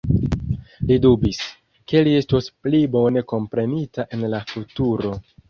Li dubis, ke li estos pli bone komprenita en la futuro.